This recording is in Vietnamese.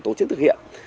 tổ chức thực hiện